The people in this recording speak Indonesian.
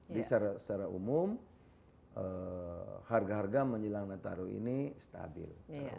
jadi secara umum harga harga menjelang natal dan tahun baru ini stabil